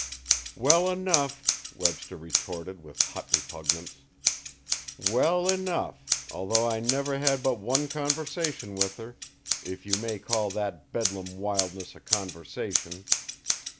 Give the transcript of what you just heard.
"Well enough!" Webster retorted with hot repugnance. "Well enough, although I never had but one conversation with her if you may call that bedlam wildness a conversation.